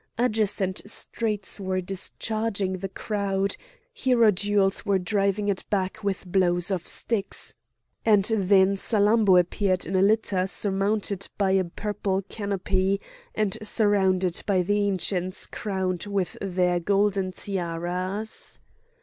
Adjacent streets were discharging the crowd, hierodules were driving it back with blows of sticks; and then Salammbô appeared in a litter surmounted by a purple canopy, and surrounded by the Ancients crowned with their golden tiaras.